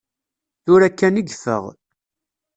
Tura kkan i yeffeɣ.